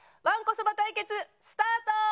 わんこそば対決スタート！